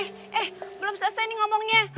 eh belum selesai nih ngomongnya